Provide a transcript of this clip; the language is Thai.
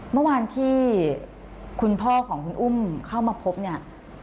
เมื่อวานที่คุณพ่อของคุณอุ้มเข้ามาพบเนี่ย